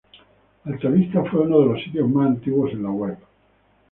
AltaVista fue uno de los sitios más antiguos en la web.